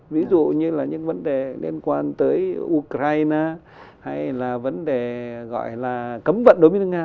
ví dụ như là những vấn đề liên quan tới ukraine hay là vấn đề gọi là cấm vận đối với nước nga